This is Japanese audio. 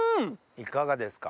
いかがですか？